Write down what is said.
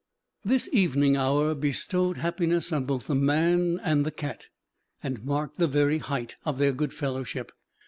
This evening hour bestowed happiness on both the man and the cat, and marked the very height of their goodfellowship.